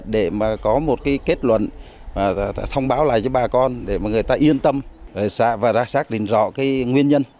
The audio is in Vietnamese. để có một kết luận thông báo lại cho bà con để người ta yên tâm và ra xác định rõ nguyên nhân